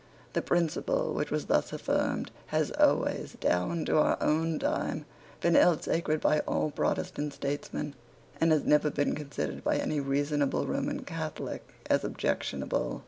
The principle which was thus affirmed has always, down to our own time, been held sacred by all Protestant statesmen, and has never been considered by any reasonable Roman Catholic as objectionable.